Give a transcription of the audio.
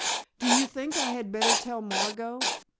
"Do you think I had better tell Margot?"